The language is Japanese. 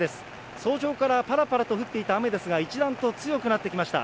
早朝からぱらぱらと降っていた雨ですが、一段と強くなってきました。